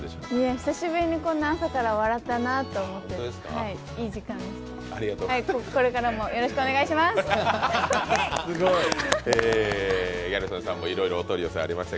久しぶりにこんな朝から笑ったなと思って、いい時間でした。